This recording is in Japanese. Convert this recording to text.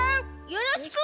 よろしく！